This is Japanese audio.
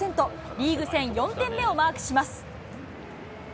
リーグ戦４点目をマークします。